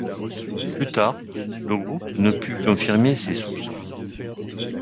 Plus tard, le groupe ne put confirmer ces soupçons.